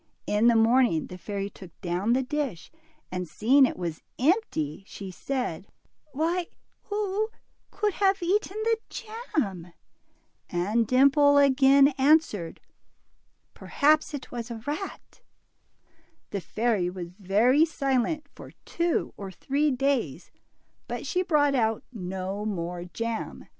In the morning the fairy took down the dish, and seeing it was empty, she said, Why, who could have eaten the jam ?" and Dimple again answered, Perhaps it was a rat." The fairy was very silent for two or three days, but she brought out no more jam.